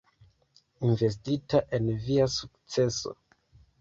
Investita en via sukceso.